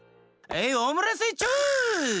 オムライスいっちょう！